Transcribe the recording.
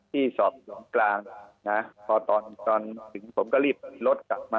ที่สอบสวนกลางนะพอตอนตอนถึงผมก็รีบรถกลับมา